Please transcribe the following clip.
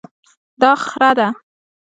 دا خره ده